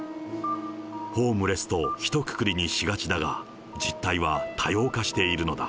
ホームレスとひとくくりにしがちだが、実態は多様化しているのだ。